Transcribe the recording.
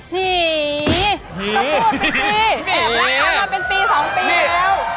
นี่ก็พูดไปสิแบบรักกันมาเป็นปี๒ปีแล้ว